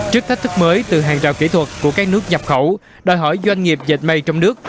trước thách thức mới từ hàng rào kỹ thuật của các nước nhập khẩu đòi hỏi doanh nghiệp dệt mây trong nước